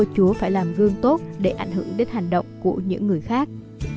chúa phải làm gương tốt để ảnh hưởng đến hành động của những người khác